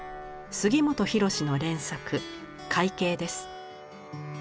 杉本博司の連作「海景」です。